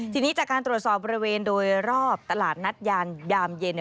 ทีนี้จากการตรวจสอบบริเวณโดยรอบตลาดนัดยานยามเย็น